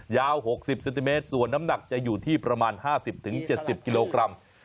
ยาว๖๐เซนติเมตรส่วนน้ำหนักจะอยู่ที่ประมาณ๕๐๗๐กิโลกรัม